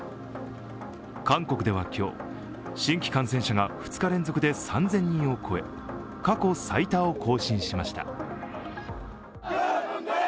韓国では今日、新規感染者が２日連続で３０００人を超え、過去最多を更新しました。